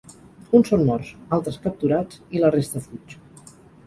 Uns són morts, altres capturats i la resta fuig.